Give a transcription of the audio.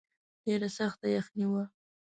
ډېره سخته یخني وه.